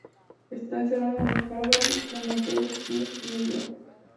Está enterrado en el Calvary Cemetery, Queens, Nueva York.